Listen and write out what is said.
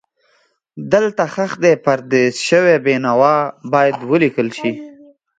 دلته ښخ دی پردیس شوی بېنوا باید ولیکل شي.